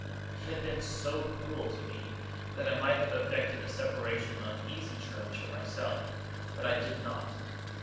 He had been so cruel to me, that I might have effected a separation on easy terms for myself; but I did not.